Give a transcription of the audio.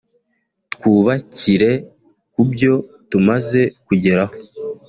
“Twubakire kubyo tumaze kugeraho